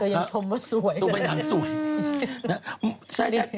แต่ยังชมว่าสวยเลยนะครับอืมใช่